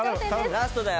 ラストだよ！